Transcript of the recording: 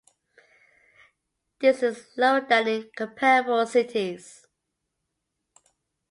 This is lower than in comparable cities.